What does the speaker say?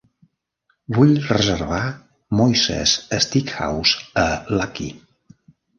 Vull reservar Moishes Steakhouse a Lucky.